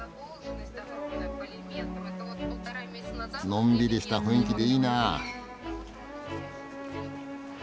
のんびりした雰囲気でいいなあ。